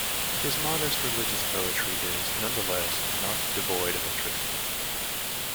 His modest religious poetry is, nonetheless, not devoid of interest.